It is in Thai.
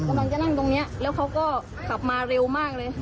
กำลังจะนั่งตรงนี้แล้วเขาก็ขับมาเร็วมากเลย